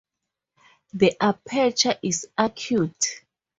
The aperture is acute.